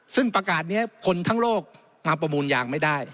ซึ่งประกาศนี้คนทั้งโลกมาประมูลยางไม่ได้